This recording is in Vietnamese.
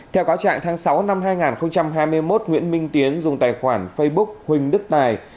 theo cáo trạng tháng sáu năm hai nghìn hai mươi một nguyễn minh tiến dùng tài khoản facebook huỳnh đức tài